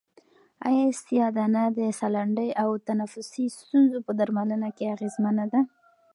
آیا سیاه دانه د سالنډۍ او تنفسي ستونزو په درملنه کې اغېزمنه ده؟